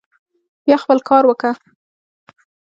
بيا خپل کار وکه.